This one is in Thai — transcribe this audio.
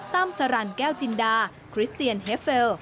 ตั้มสรรแก้วจินดาคริสเตียนเฮฟเฟล